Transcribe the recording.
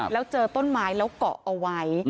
แล้วเจอต้นไม้แล้วเกาะเอาไว้